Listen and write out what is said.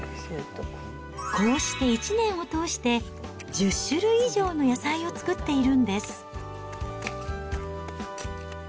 こうして一年を通して、１０種類以上の野菜を作っているんです。